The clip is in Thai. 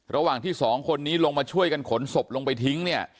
ระหว่างที่สองคนนี้ลงมาช่วยกันขนศพลงไปทิ้งเนี่ย